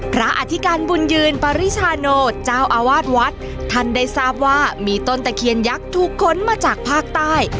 อธิการบุญยืนปริชาโนเจ้าอาวาสวัดท่านได้ทราบว่ามีต้นตะเคียนยักษ์ถูกค้นมาจากภาคใต้